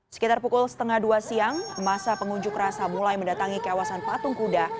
sekitar pukul setengah dua siang masa pengunjuk rasa mulai mendatangi kawasan patung kuda